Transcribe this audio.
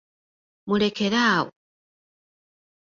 Mulekere awo!